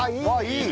いい！